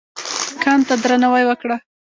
کان ته درناوی وکړه.